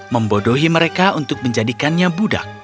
membodohi mereka untuk menjadikannya budak